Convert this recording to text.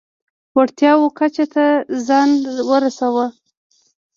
وړتیاوو کچه ته ځان ورسوو.